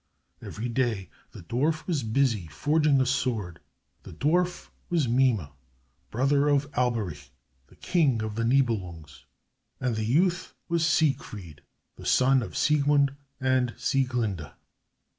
Every day the dwarf was busy forging a sword. The dwarf was Mime, brother of Alberich, the king of the Nibelungs; and the youth was Siegfried, the son of Siegmund and Sieglinde.